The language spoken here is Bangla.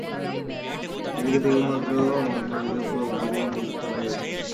বিহারীকে দেখিবামাত্র মহেন্দ্রের ভিতরের পুলক যেন দ্বিগুণ বাড়িয়া উঠিল।